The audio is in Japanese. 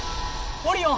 オリオン！